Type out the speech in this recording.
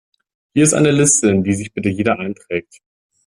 Hier ist eine Liste, in die sich bitte jeder einträgt.